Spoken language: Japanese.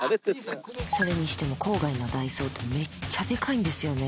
それにしても郊外のダイソーってめっちゃデカいんですよね